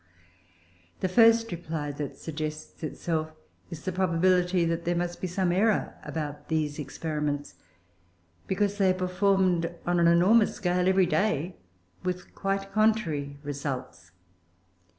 The first reply that suggests itself is the probability that there must be some error about these experiments, because they are performed on an enormous scale every day with quite contrary results.